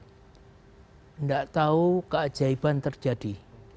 saya tahu keajaiban terjadi